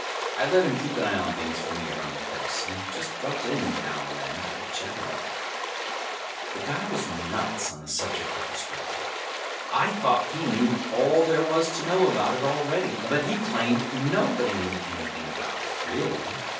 I let him keep an eye on things for me around the place, and just dropped in now and then to check up. The guy was nuts on the subject of perspective. I thought he knew all there was to know about it already, but he claimed nobody knew anything about it, really.